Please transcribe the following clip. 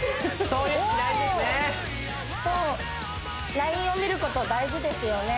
そうラインを見ること大事ですよね